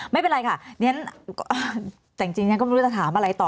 ไม่เป็นไรค่ะฉะนั้นจริงยังไม่รู้จะถามอะไรต่อ